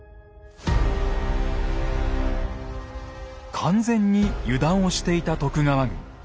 完全に油断をしていた徳川軍。